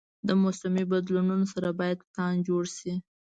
د موسمي بدلونونو سره باید پلان جوړ شي.